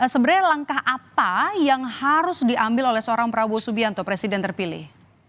sebenarnya langkah apa yang harus diambil oleh seorang prabowo subianto presiden terpilih